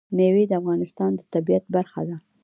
مېوې د افغانستان د طبیعت برخه ده.